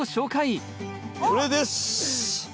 これです！